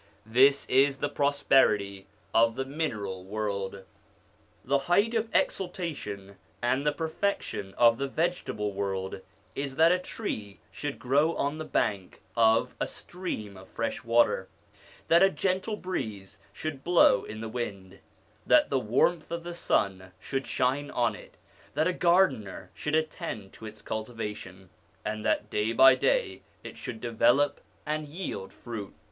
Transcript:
This is the prosperity of the mineral world. The height of exaltation and the perfection of the vegetable world is that a tree should grow on the bank of,a stream of fresh water, that a gentle breeze should blow on it, that the warmth of the sun should shine on it, that a gardener should attend to its cultivation, and that day by day it should develop and yield fruit.